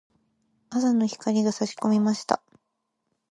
朝の光が差し込みました。